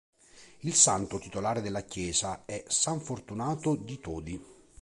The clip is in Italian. Il santo titolare della chiesa è san Fortunato di Todi.